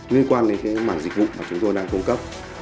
liên quan đến cái mảng dịch vụ mà chúng tôi đang cung cấp